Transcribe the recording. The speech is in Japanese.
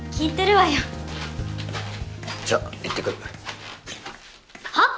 じゃあ行ってくるはっ